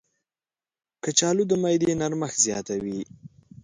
کچالو د معدې نرمښت زیاتوي.